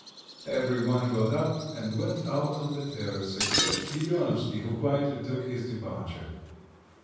Every one got up and went out on to the terrace, except Gedeonovsky, who quietly took his departure.